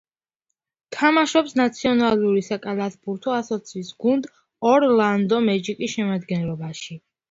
თამაშობს ნაციონალური საკალათბურთო ასოციაციის გუნდ ორლანდო მეჯიკის შემადგენლობაში.